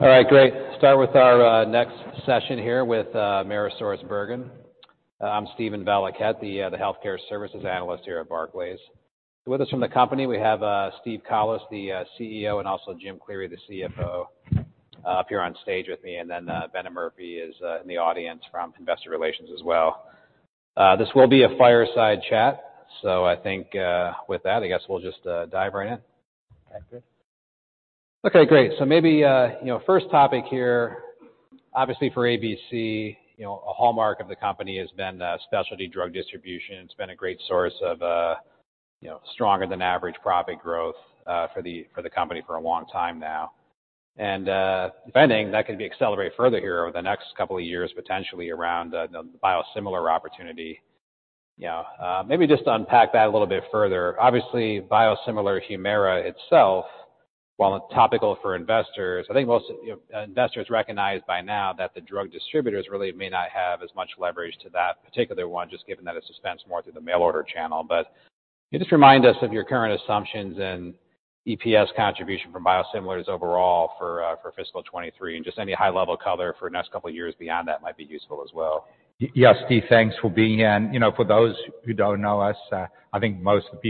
All right, great. Start with our next session here with Cencora. I'm Steven Valiquette, the healthcare services analyst here at Barclays. With us from the company, we have Steve Collis, the CEO, and also Jim Cleary, the CFO up here on stage with me. Bennett Murphy is in the audience from investor relations as well. This will be a fireside chat. I think with that, I guess we'll just dive right in. Okay, great. Okay, great. Maybe, you know, first topic here, obviously for ABC, you know, a hallmark of the company has been specialty drug distribution. It's been a great source of, you know, stronger than average profit growth for the company for a long time now. Depending, that could be accelerated further here over the next couple of years, potentially around the biosimilar opportunity. You know, maybe just unpack that a little bit further. Obviously, biosimilar Humira itself, while topical for investors, I think most, you know, investors recognize by now that the drug distributors really may not have as much leverage to that particular one, just given that it's dispensed more through the mail order channel. Can you just remind us of your current assumptions and EPS contribution from biosimilars overall for fiscal 23? Just any high level color for the next couple of years beyond that might be useful as well. Yes, Steve, thanks for being in. You know, for those who don't know us, I think most of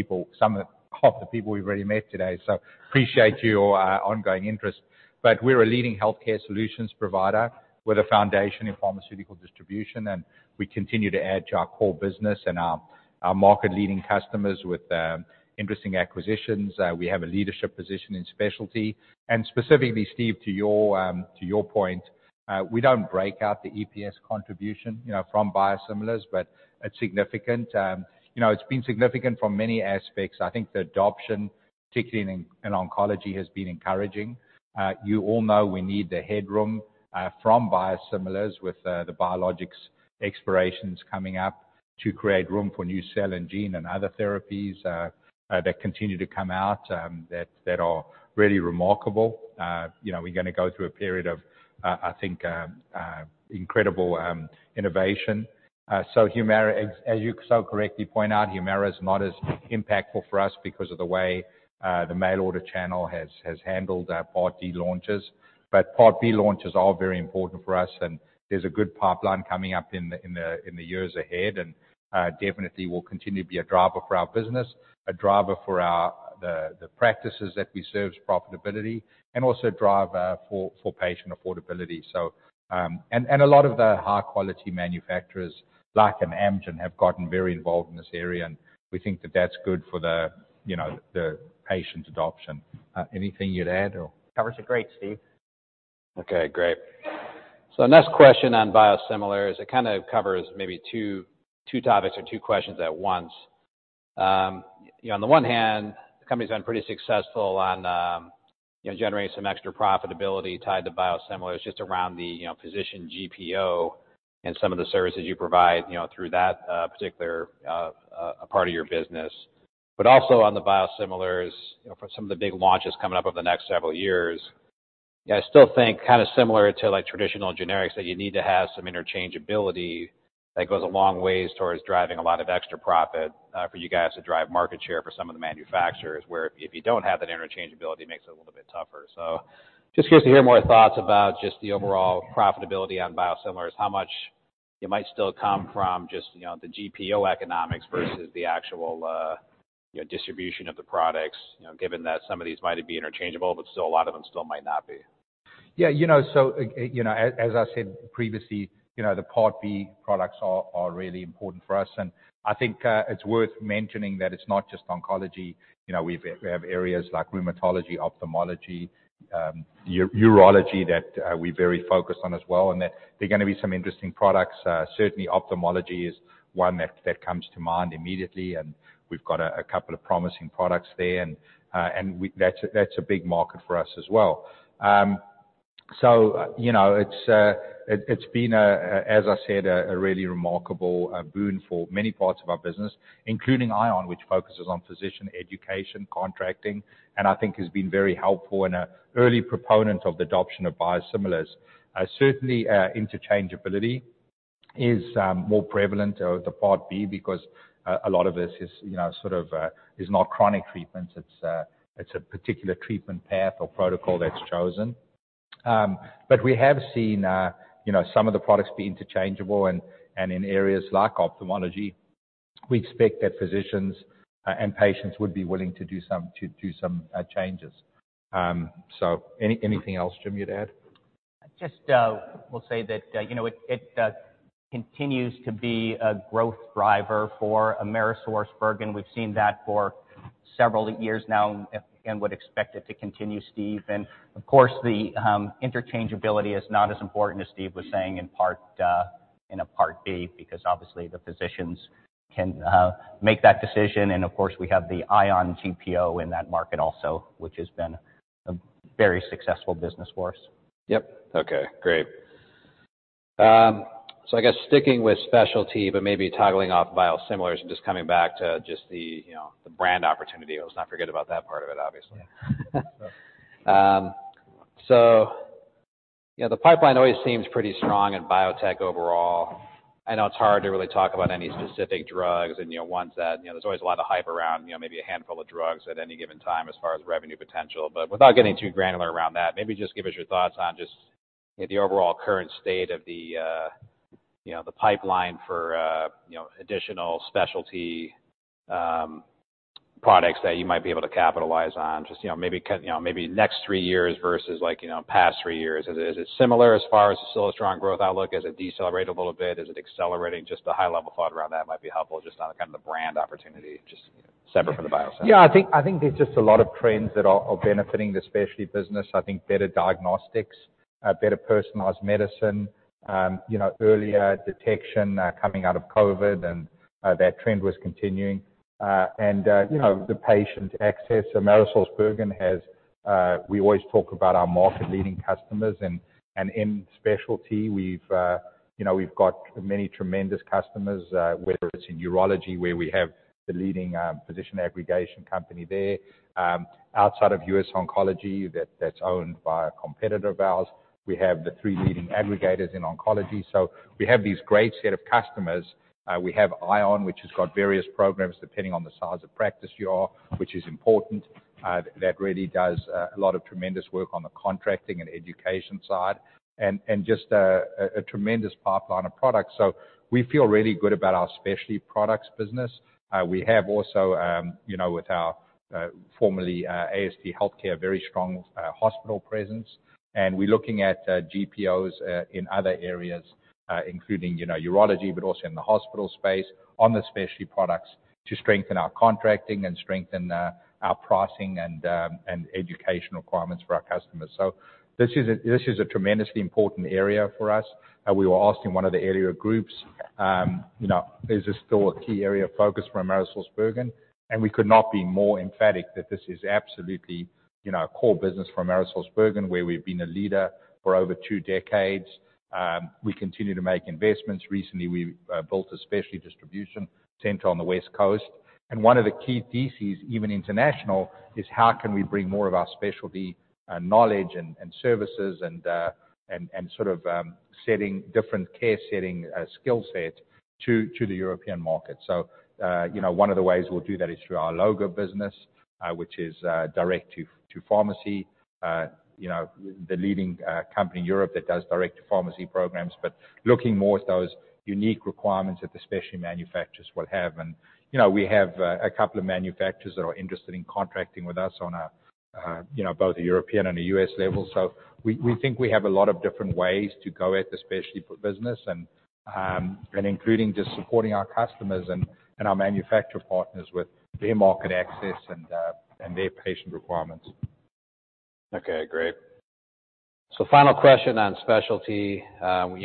the people, half the people we've already met today, appreciate your ongoing interest. We're a leading healthcare solutions provider with a foundation in pharmaceutical distribution, and we continue to add to our core business and our market leading customers with interesting acquisitions. We have a leadership position in specialty. Specifically, Steve, to your point, we don't break out the EPS contribution, you know, from biosimilars, but it's significant. You know, it's been significant from many aspects. I think the adoption, particularly in oncology, has been encouraging. You all know we need the headroom from biosimilars with the biologics expirations coming up to create room for new cell and gene and other therapies that continue to come out that are really remarkable. You know, we're gonna go through a period of I think incredible innovation. Humira, as you so correctly point out, Humira is not as impactful for us because of the way the mail order channel has handled our Part D launches. Part B launches are very important for us, and there's a good pipeline coming up in the years ahead, and definitely will continue to be a driver for our business, a driver for our practices that we serve, profitability, and also driver for patient affordability, so. A lot of the high-quality manufacturers, like an Amgen, have gotten very involved in this area, and we think that that's good for the, you know, the patient adoption. Anything you'd add or? Coverage is great, Steve. Okay, great. The next question on biosimilars is it kinda covers maybe two topics or two questions at once. On the one hand, the company's been pretty successful on, you know, generating some extra profitability tied to biosimilars just around the, you know, physician GPO and some of the services you provide, you know, through that particular part of your business. Also on the biosimilars, you know, for some of the big launches coming up over the next several years, I still think kinda similar to, like, traditional generics, that you need to have some interchangeability that goes a long way towards driving a lot of extra profit for you guys to drive market share for some of the manufacturers. Where if you don't have that interchangeability, it makes it a little bit tougher. Just curious to hear more thoughts about just the overall profitability on biosimilars, how much it might still come from just the GPO economics versus the actual, you know, distribution of the products, you know, given that some of these might be interchangeable, but still a lot of them still might not be. Yeah. You know, as I said previously, you know, the Part B products are really important for us. I think it's worth mentioning that it's not just oncology. You know, we have areas like rheumatology, ophthalmology, urology that we're very focused on as well, and that there are gonna be some interesting products. Certainly ophthalmology is one that comes to mind immediately, and we've got a couple of promising products there. That's a big market for us as well. You know, it's been, as I said, a really remarkable boon for many parts of our business, including ION, which focuses on physician education, contracting, and I think has been very helpful and an early proponent of the adoption of biosimilars. Certainly, interchangeability is more prevalent with the Part B because a lot of this is, you know, sort of, is not chronic treatments. It's a particular treatment path or protocol that's chosen. We have seen, you know, some of the products be interchangeable and in areas like ophthalmology, we expect that physicians and patients would be willing to do some changes. Anything else, Jim, you'd add? Just will say that, you know, it continues to be a growth driver for Cencora. We've seen that for several years now and would expect it to continue, Steve. Of course, the interchangeability is not as important as Steve was saying in a Part B, because obviously the physicians can make that decision. Of course, we have the ION GPO in that market also, which has been a very successful business for us. Yep. Okay, great. I guess sticking with specialty, but maybe toggling off biosimilars and just coming back to just the, you know, the brand opportunity. Let's not forget about that part of it, obviously. You know, the pipeline always seems pretty strong in biotech overall. I know it's hard to really talk about any specific drugs and, you know, ones that, you know, there's always a lot of hype around, you know, maybe a handful of drugs at any given time as far as revenue potential. Without getting too granular around that, maybe just give us your thoughts on just the overall current state of the, you know, the pipeline for, you know, additional specialty, products that you might be able to capitalize on, just, you know, maybe next three years versus like, you know, past three years. Is it similar as far as a still a strong growth outlook? Has it decelerated a little bit? Is it accelerating? Just a high level thought around that might be helpful, just on kind of the brand opportunity, just separate from the biosimilar. Yeah. I think there's just a lot of trends that are benefiting the specialty business. I think better diagnostics, better personalized medicine, you know, earlier detection, coming out of COVID, and that trend was continuing. You know, the patient access. AmerisourceBergen has, we always talk about our market leading customers and in specialty. We've got many tremendous customers, whether it's in urology, where we have the leading physician aggregation company there. Outside of U.S. Oncology that's owned by a competitor of ours, we have the three leading aggregators in oncology. We have these great set of customers. We have ION, which has got various programs depending on the size of practice you are, which is important. That really does a lot of tremendous work on the contracting and education side and just a tremendous pipeline of products. We feel really good about our specialty products business. We have also, you know, with our, formerly, ASD Healthcare, very strong hospital presence. We're looking at GPOs in other areas, including, you know, urology, but also in the hospital space on the specialty products to strengthen our contracting and strengthen our pricing and education requirements for our customers. This is a, this is a tremendously important area for us. We were asked in one of the earlier groups, you know, is this still a key area of focus for AmerisourceBergen? We could not be more emphatic that this is absolutely a core business for Cencora, where we've been a leader for over two decades. We continue to make investments. Recently, we built a specialty distribution center on the West Coast. One of the key theses, even international, is how can we bring more of our specialty knowledge and services and sort of setting different care setting skill set to the European market. One of the ways we'll do that is through our Alloga business, which is direct to pharmacy. The leading company in Europe that does direct to pharmacy programs. Looking more at those unique requirements that the specialty manufacturers will have. You know, we have a couple of manufacturers that are interested in contracting with us on a, you know, both a European and a U.S. level. We, we think we have a lot of different ways to go at the specialty business and including just supporting our customers and our manufacturer partners with their market access and their patient requirements. Okay, great. Final question on specialty.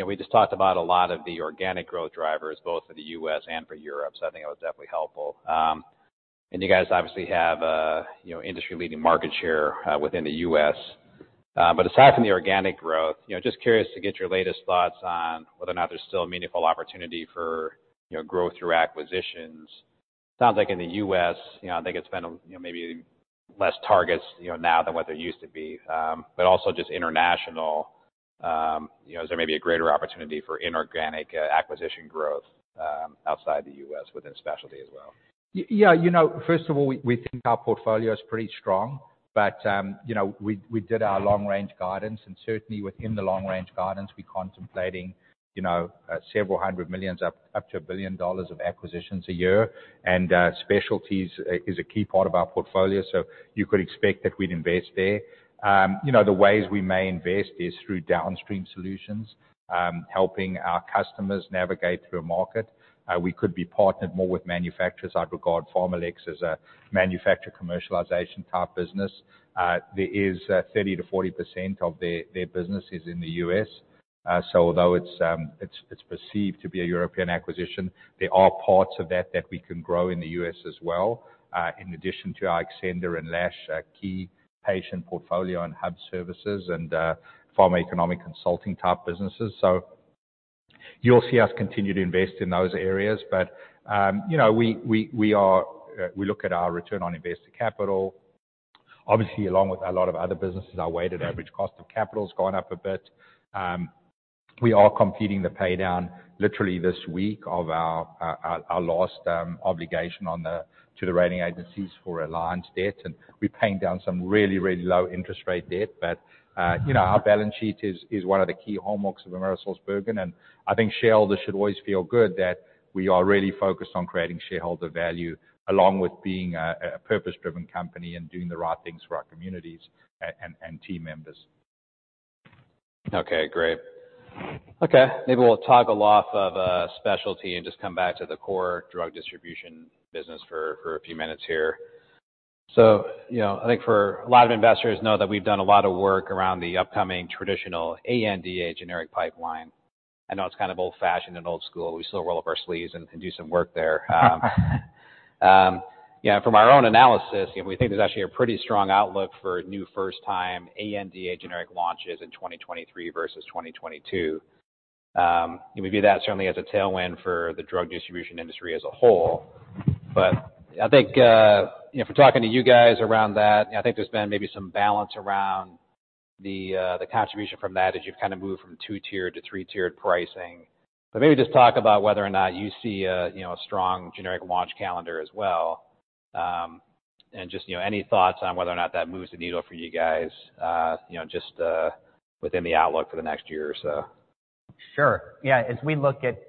We just talked about a lot of the organic growth drivers, both for the U.S. and for Europe. I think that was definitely helpful. you guys obviously have, you know, industry-leading market share within the U.S. Aside from the organic growth, you know, just curious to get your latest thoughts on whether or not there's still a meaningful opportunity for, you know, growth through acquisitions. Sounds like in the U.S., you know, I think it's been, you know, maybe less targets, you know, now than what there used to be. also just international, you know, is there maybe a greater opportunity for inorganic acquisition growth outside the U.S. within specialty as well? Yeah. You know, first of all, we think our portfolio is pretty strong. We did our long range guidance, and certainly within the long range guidance, we're contemplating, you know, several hundred million up to $1 billion of acquisitions a year. Specialties is a key part of our portfolio, so you could expect that we'd invest there. You know, the ways we may invest is through downstream solutions, helping our customers navigate through a market. We could be partnered more with manufacturers. I'd regard PharmaLex as a manufacturer commercialization type business. There is 30%-40% of their business is in the U.S. Although it's perceived to be a European acquisition, there are parts of that that we can grow in the U.S. as well, in addition to our Xcenda and Lash, key patient portfolio and hub services and pharma economic consulting type businesses. You'll see us continue to invest in those areas. We are, we look at our return on invested capital. Obviously, along with a lot of other businesses, our weighted average cost of capital has gone up a bit. We are completing the pay down literally this week of our last obligation on the, to the rating agencies for Alliance debt, and we're paying down some really, really low interest rate debt. You know, our balance sheet is one of the key hallmarks of Cencora, and I think shareholders should always feel good that we are really focused on creating shareholder value, along with being a purpose-driven company and team members Okay, great. Okay, maybe we'll toggle off of specialty and just come back to the core drug distribution business for a few minutes here. You know, I think for a lot of investors know that we've done a lot of work around the upcoming traditional ANDA generic pipeline. I know it's kind of old-fashioned and old school. We still roll up our sleeves and do some work there. Yeah, from our own analysis, you know, we think there's actually a pretty strong outlook for new first-time ANDA generic launches in 2023 versus 2022. We view that certainly as a tailwind for the drug distribution industry as a whole. I think, from talking to you guys around that, and I think there's been maybe some balance around the contribution from that as you've kind of moved from two-tier to three-tiered pricing. Maybe just talk about whether or not you see a strong generic launch calendar as well. Just, you know, any thoughts on whether or not that moves the needle for you guys just, within the outlook for the next year or so. Sure. Yeah. As we look at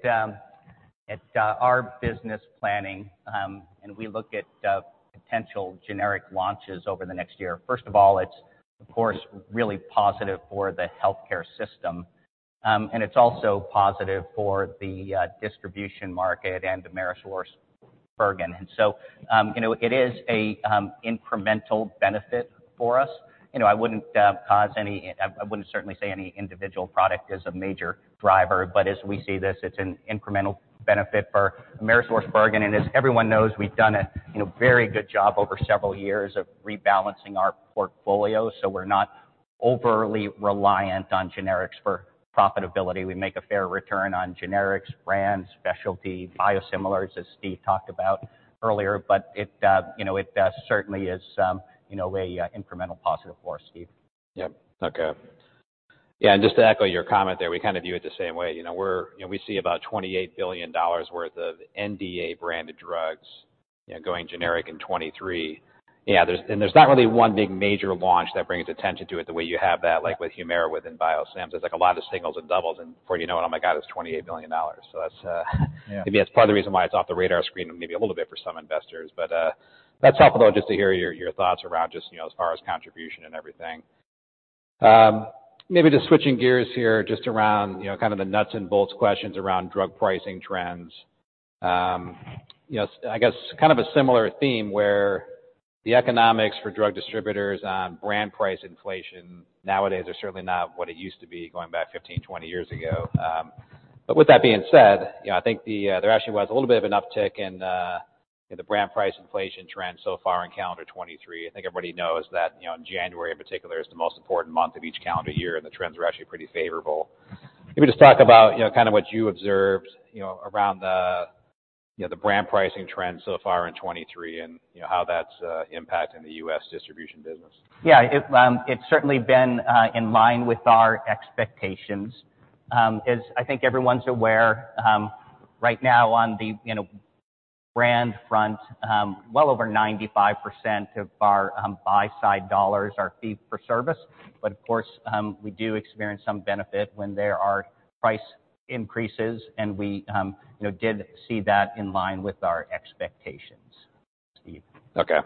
our business planning, and we look at potential generic launches over the next year. First of all, it's of course, really positive for the healthcare system. It's also positive for the distribution market and Cencora. You know, it is an incremental benefit for us. You know, I wouldn't certainly say any individual product is a major driver. As we see this, it's an incremental benefit for Cencora. As everyone knows, we've done a, you know, very good job over several years of rebalancing our portfolio, so we're not overly reliant on generics for profitability. We make a fair return on generics, brands, specialty, biosimilars, as Steve talked about earlier, but it, you know, it, certainly is, you know, a, incremental positive for us, Steve. Yep. Okay. Just to echo your comment there, we kind of view it the same way. You know, we see about $28 billion worth of NDA branded drugs, you know, going generic in 2023. Yeah, there's not really one big major launch that brings attention to it the way you have that, like with Humira, within biosims. There's, like, a lot of singles and doubles, and before you know it, oh my God, it's $28 billion. That's. Yeah. Maybe that's part of the reason why it's off the radar screen and maybe a little bit for some investors. That's helpful though, just to hear your thoughts around just, you know, as far as contribution and everything. Maybe just switching gears here, just around, you know, kind of the nuts and bolts questions around drug pricing trends. You know, I guess kind of a similar theme where the economics for drug distributors on brand price inflation nowadays are certainly not what it used to be going back 15, 20 years ago. With that being said, you know, I think the, there actually was a little bit of an uptick in the brand price inflation trend so far in calendar 23. I think everybody knows that, you know, in January in particular is the most important month of each calendar year, and the trends are actually pretty favorable. Maybe just talk about, you know, kind of what you observed, you know, around the, you know, the brand pricing trends so far in 2023 and, you know, how that's impacting the U.S. distribution business. Yeah. It's certainly been in line with our expectations. As I think everyone's aware, right now on the, you know, brand front, well over 95% of our buy-side dollars are fee for service. Of course, we do experience some benefit when there are price increases and we, you know, did see that in line with our expectations, Steve. Okay.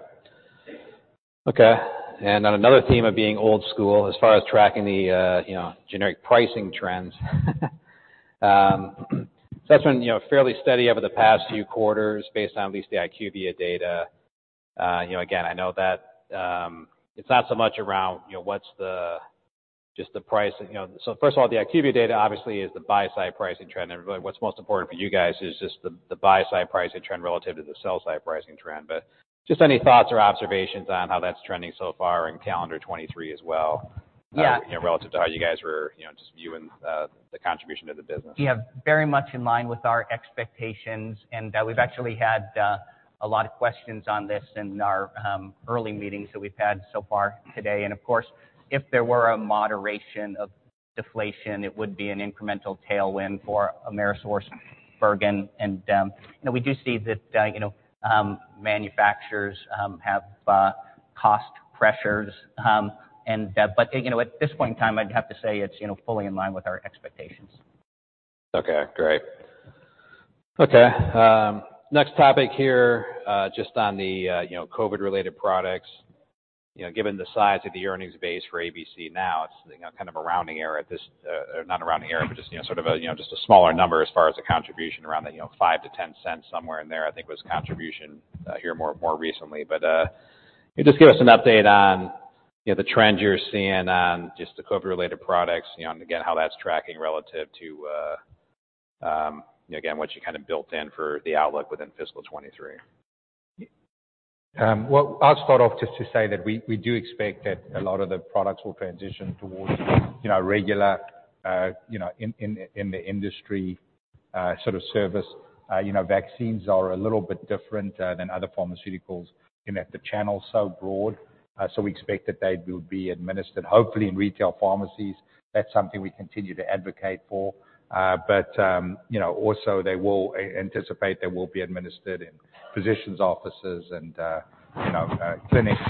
Okay. On another theme of being old school as far as tracking the, you know, generic pricing trends. That's been, you know, fairly steady over the past few quarters based on at least the IQVIA data. You know, again, I know that, it's not so much around, you know, You know, so first of all, the IQVIA data obviously is the buy-side pricing trend. Really what's most important for you guys is just the buy-side pricing trend relative to the sell-side pricing trend. Just any thoughts or observations on how that's trending so far in calendar 23 as well. Yeah. You know, relative to how you guys were, you know, just viewing, the contribution to the business. Yeah. Very much in line with our expectations. We've actually had a lot of questions on this in our early meetings that we've had so far today. Of course, if there were a moderation of deflation, it would be an incremental tailwind for Cencora. You know, we do see that, you know, manufacturers have cost pressures. You know, at this point in time, I'd have to say it's, you know, fully in line with our expectations. Okay, great. Okay, next topic here, just on the, you know, COVID-related products. You know, given the size of the earnings base for ABC now, it's, you know, kind of a rounding error at this, or not a rounding error, but just, you know, sort of a, you know, just a smaller number as far as the contribution around the, you know, $0.05-$0.10 somewhere in there, I think was contribution here more, more recently. Just give us an update on, you know, the trends you're seeing on just the COVID-related products, you know, and again, how that's tracking relative to, you know, again, what you kind of built in for the outlook within fiscal 23. Well, I'll start off just to say that we do expect that a lot of the products will transition towards, you know, regular, you know, in, in the industry, sort of service. You know, vaccines are a little bit different than other pharmaceuticals in that the channel's so broad. We expect that they will be administered hopefully in retail pharmacies. That's something we continue to advocate for. You know, also they will anticipate they will be administered in physicians' offices and, you know, clinics.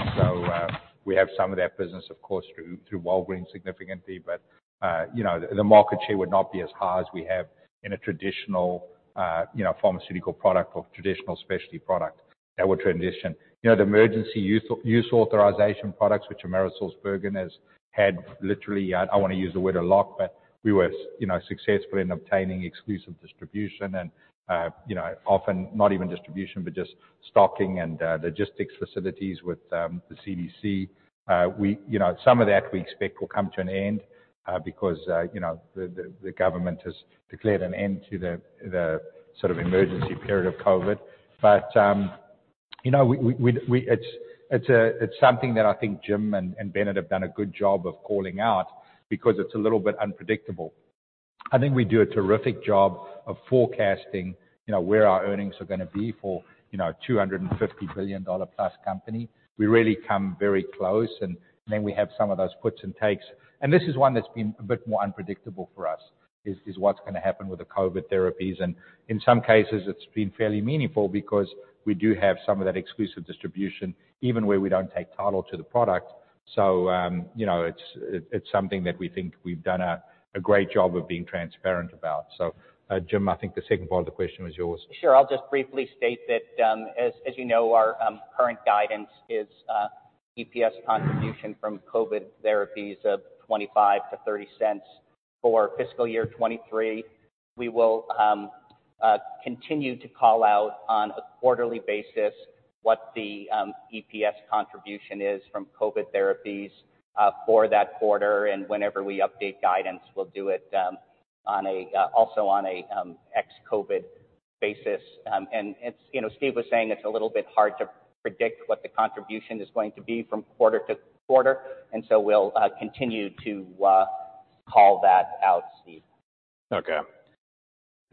We have some of that business, of course, through Walgreens significantly, but, you know, the market share would not be as high as we have in a traditional, you know, pharmaceutical product or traditional specialty product that would transition. You know, the emergency use authorization products, which AmerisourceBergen has had literally, I wanna use the word a lock, but we were, you know, successful in obtaining exclusive distribution and, you know, often not even distribution, but just stocking and logistics facilities with the CDC. We, you know, some of that we expect will come to an end, because, you know, the government has declared an end to the sort of emergency period of COVID. You know, we, it's something that I think Jim and Bennett have done a good job of calling out because it's a little bit unpredictable. I think we do a terrific job of forecasting, you know, where our earnings are gonna be for, you know, $250 billion plus company. We really come very close, then we have some of those puts and takes. This is one that's been a bit more unpredictable for us, is what's gonna happen with the COVID therapies. In some cases, it's been fairly meaningful because we do have some of that exclusive distribution even where we don't take title to the product. You know, it's something that we think we've done a great job of being transparent about. Jim, I think the second part of the question was yours. Sure. I'll just briefly state that, as you know, our current guidance is EPS contribution from COVID therapies of $0.25-$0.30 for fiscal year 2023. We will continue to call out on a quarterly basis what the EPS contribution is from COVID therapies for that quarter. Whenever we update guidance, we'll do it also on an ex-COVID basis. You know, Steve was saying it's a little bit hard to predict what the contribution is going to be from quarter to quarter, so we'll continue to call that out, Steve. Okay.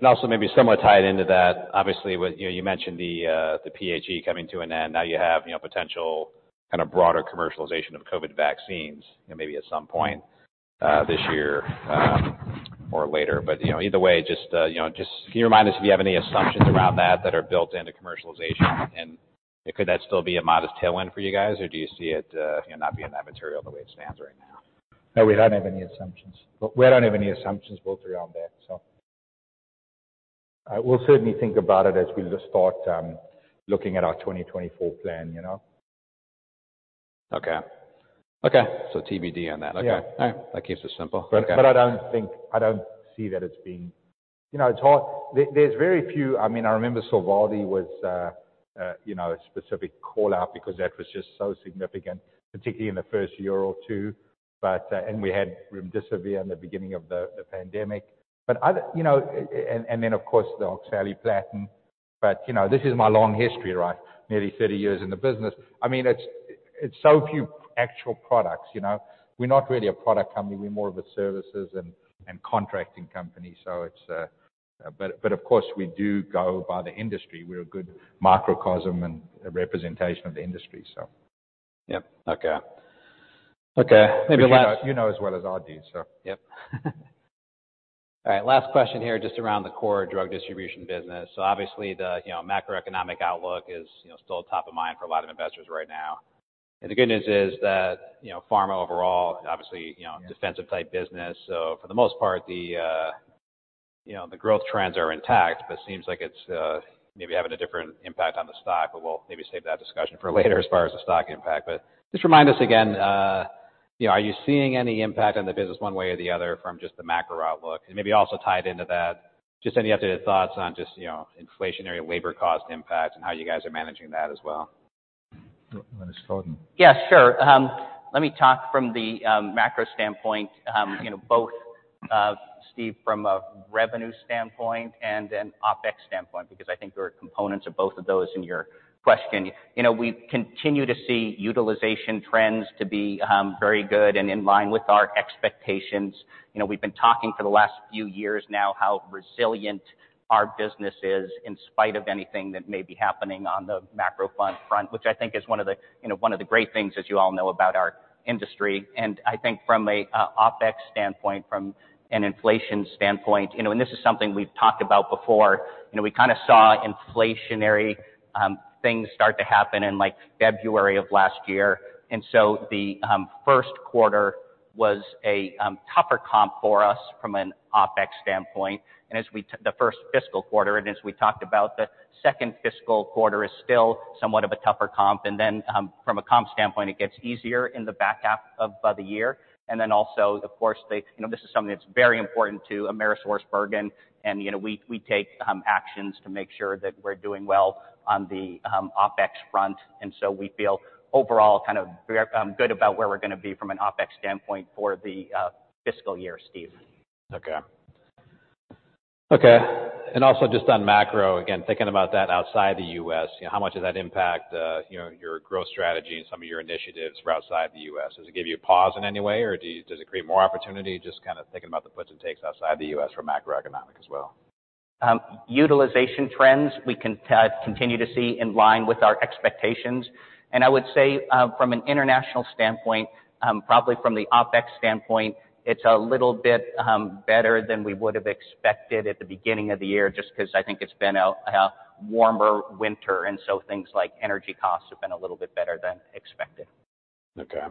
Also maybe somewhat tied into that, obviously, with, you know, you mentioned the PHE coming to an end. Now you have, you know, potential kind of broader commercialization of COVID vaccines, you know, maybe at some point this year or later. You know, either way, just, you know, just can you remind us if you have any assumptions around that that are built into commercialization, and could that still be a modest tailwind for you guys? Or do you see it, you know, not being that material the way it stands right now? No, we don't have any assumptions. We don't have any assumptions built around that. We'll certainly think about it as we start looking at our 2024 plan, you know. Okay. Okay. TBD on that. Okay. Yeah. All right. That keeps it simple. Okay. I don't see that it's being. You know, it's hard. There's very few. I mean, I remember Sovaldi was, you know, a specific call-out because that was just so significant, particularly in the first year or two. We had Remdesivir in the beginning of the pandemic. Other, you know, and then, of course, the Oxaliplatin. You know, this is my long history, right? Nearly 30 years in the business. I mean, it's so few actual products, you know. We're not really a product company. We're more of a services and contracting company. It's. But of course, we do go by the industry. We're a good microcosm and a representation of the industry. Yep. Okay. Okay. Maybe. You know as well as I do, so. Yep. All right, last question here, just around the core drug distribution business. Obviously the, you know, macroeconomic outlook is, you know, still top of mind for a lot of investors right now. The good news is that, you know, pharma overall, obviously, you know, defensive type business. For the most part, the, you know, the growth trends are intact, but seems like it's, maybe having a different impact on the stock. We'll maybe save that discussion for later as far as the stock impact. Just remind us again, you know, are you seeing any impact on the business one way or the other from just the macro outlook? Maybe also tied into that, just any updated thoughts on just, you know, inflationary labor cost impacts and how you guys are managing that as well? You want to start? Yeah, sure. Let me talk from the macro standpoint, you know, both Steve, from a revenue standpoint and an OpEx standpoint, because I think there are components of both of those in your question. You know, we continue to see utilization trends to be very good and in line with our expectations. You know, we've been talking for the last few years now how resilient our business is in spite of anything that may be happening on the macro front, which I think is one of the, you know, one of the great things, as you all know, about our industry. And I think from an OpEx standpoint, from an inflation standpoint, you know, and this is something we've talked about before. You know, we kind of saw inflationary things start to happen in like February of last year. The first quarter was a tougher comp for us from an OpEx standpoint. The first fiscal quarter, and as we talked about, the second fiscal quarter is still somewhat of a tougher comp. From a comp standpoint, it gets easier in the back half of the year. Also, of course, you know, this is something that's very important to Cencora. You know, we take actions to make sure that we're doing well on the OpEx front. We feel overall kind of good about where we're gonna be from an OpEx standpoint for the fiscal year, Steve. Okay. Okay. Also just on macro, again, thinking about that outside the U.S., you know, how much does that impact, you know, your growth strategy and some of your initiatives for outside the U.S.? Does it give you pause in any way, or does it create more opportunity? Just kind of thinking about the puts and takes outside the U.S. for macroeconomic as well. Utilization trends we continue to see in line with our expectations. I would say, from an international standpoint, probably from the OpEx standpoint, it's a little bit better than we would have expected at the beginning of the year, just 'cause I think it's been a warmer winter, and so things like energy costs have been a little bit better than expected. Okay.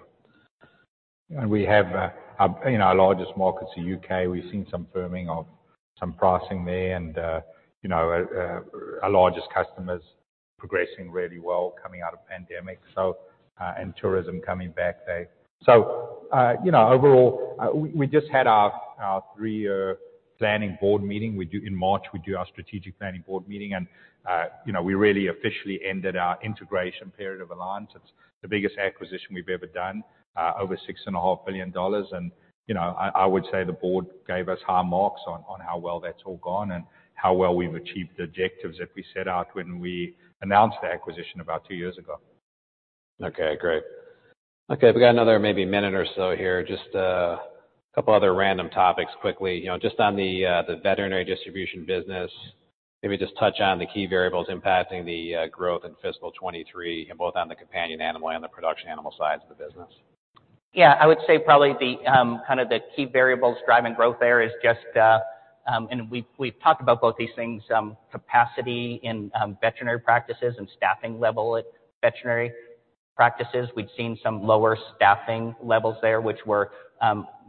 We have, you know, our largest market's the U.K. We've seen some firming of some pricing there and, you know, our largest customers progressing really well coming out of pandemic. Tourism coming back, Dave. You know, overall, we just had our three-year planning board meeting. In March, we do our strategic planning board meeting and, you know, we really officially ended our integration period of Alliance. It's the biggest acquisition we've ever done, over $6.5 billion. You know, I would say the board gave us high marks on how well that's all gone and how well we've achieved the objectives that we set out when we announced the acquisition about two years ago. Okay, great. Okay, we got another maybe minute or so here. Just a couple other random topics quickly. You know, just on the veterinary distribution business, maybe just touch on the key variables impacting the growth in fiscal 2023, and both on the companion animal and the production animal sides of the business. Yeah, I would say probably the, kind of the key variables driving growth there is just. We've talked about both these things, capacity in veterinary practices and staffing level at veterinary practices. We've seen some lower staffing levels there, which were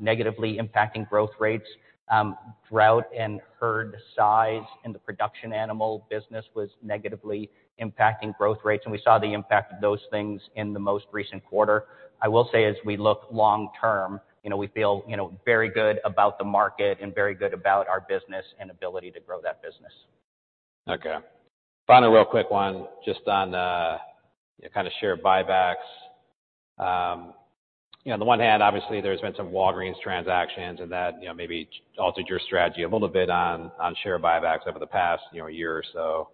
negatively impacting growth rates. Drought and herd size in the production animal business was negatively impacting growth rates, and we saw the impact of those things in the most recent quarter. I will say as we look long term, you know, we feel, you know, very good about the market and very good about our business and ability to grow that business. Okay. Final real quick one, just on kind of share buybacks. You know, on the one hand, obviously, there's been some Walgreens transactions and that, you know, maybe altered your strategy a little bit on share buybacks over the past, you know, year or so.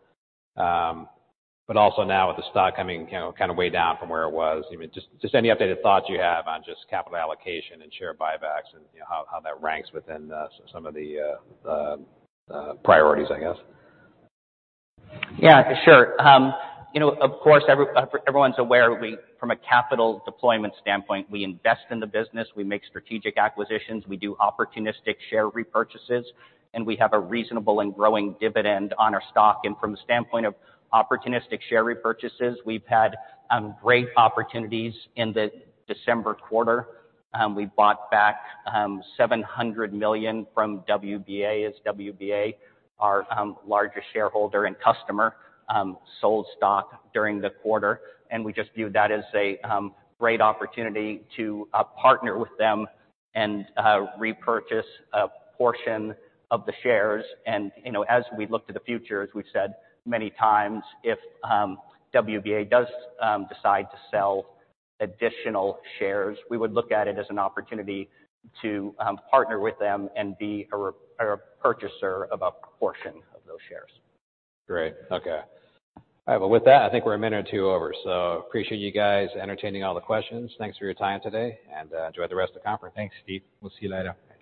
Also now with the stock coming, you know, kind of way down from where it was. I mean, just any updated thoughts you have on just capital allocation and share buybacks and, you know, how that ranks within some of the priorities, I guess. Yeah, sure. You know, of course everyone's aware we, from a capital deployment standpoint, we invest in the business, we make strategic acquisitions, we do opportunistic share repurchases, and we have a reasonable and growing dividend on our stock. From the standpoint of opportunistic share repurchases, we've had great opportunities in the December quarter. We bought back $700 million from WBA, as WBA, our largest shareholder and customer, sold stock during the quarter. We just viewed that as a great opportunity to partner with them and repurchase a portion of the shares. You know, as we look to the future, as we've said many times, if WBA does decide to sell additional shares, we would look at it as an opportunity to partner with them and be a purchaser of a portion of those shares. Great. Okay. All right. Well, with that, I think we're a minute or two over, so appreciate you guys entertaining all the questions. Thanks for your time today, and enjoy the rest of the conference. Thanks, Steve. We'll see you later. Thanks.